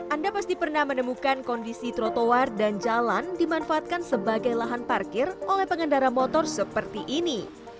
anda pasti pernah menemukan kondisi trotoar dan jalan dimanfaatkan sebagai lahan parkir oleh pengendara motor seperti ini